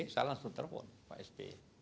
salah saya telpon pak s b